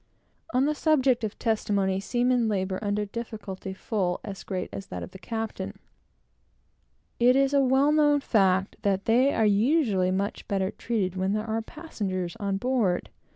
On the subject of testimony, seamen labor under a difficulty full as great as that of the captain. It is a well known fact, that they are usually much better treated when there are passengers on board.